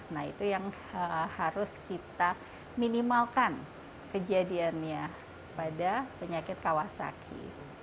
nah itu yang harus kita minimalkan kejadiannya pada penyakit kawasaki